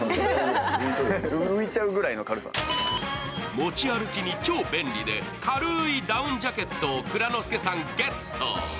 持ち歩きに超便利で軽いダウンジャケットを蔵之介さん、ゲット。